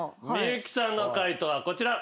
幸さんの解答はこちら。